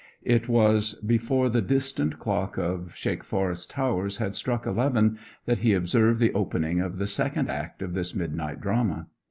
It was before the distant clock of Shakeforest Towers had struck eleven that he observed the opening of the second act of this midnight drama.